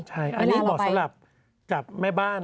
อันนี้เหมาะสำหรับจับแม่บ้าน